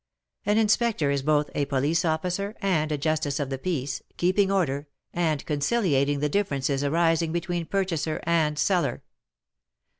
An Inspector is both a police officer, and a J ustice of the peace, keeping order, and conciliating the differences arising between purchaser and seller.